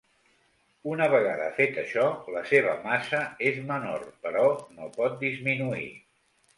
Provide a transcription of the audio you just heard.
Una vegada fet això, la seva massa és menor, però no pot disminuir.